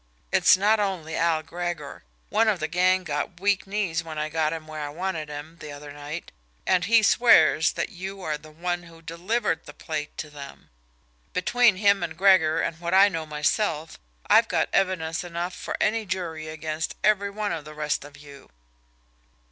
It's not only Al Gregor. One of the gang got weak knees when I got him where I wanted him the other night, and he swears that you are the one who DELIVERED the plate to them. Between him and Gregor and what I know myself, I've got evidence enough for any jury against every one of the rest of you."